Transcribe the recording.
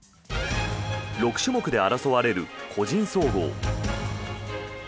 ６種目で争われる個人総合。